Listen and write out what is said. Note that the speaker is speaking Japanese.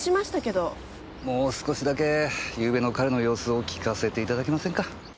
もう少しだけゆうべの彼の様子を聞かせていただけませんか。